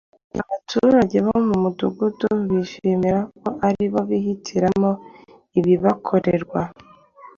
abaturage b’umudugudu bishimira ko ari bo bihitiramo ibibakorerwa